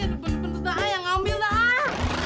ada bener bener da'a yang ngambil da'a